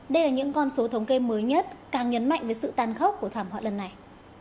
đây là những con số thống kê mới nhất càng nhấn mạnh với sự tan khốc của thảm họa lần này